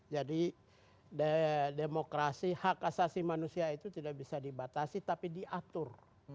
jadi demokrasi hak asasi manusia itu tidak bisa dibatasi tapi diatur